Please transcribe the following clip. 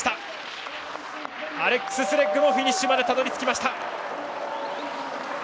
アレックス・スレッグもフィニッシュまでたどり着きました。